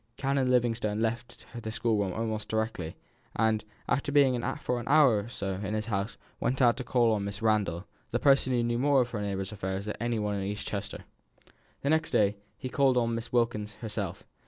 Canon Livingstone left the schoolroom almost directly, and, after being for an hour or so in his house, went out to call on Mrs. Randall, the person who knew more of her neighbours' affairs than any one in East Chester. The next day he called on Miss Wilkins herself.